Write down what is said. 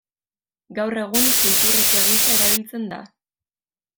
Gaur egun Kultur Etxe gisa erabiltzen da.